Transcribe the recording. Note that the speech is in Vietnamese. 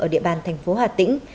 ở địa bàn thành phố hà tĩnh